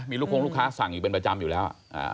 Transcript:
มีลูกคงลูกค้าสั่งอยู่เป็นประจำอยู่แล้ว